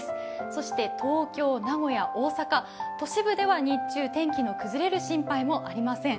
そして東京、名古屋、大阪、都市部では日中、天気の崩れる心配もありません。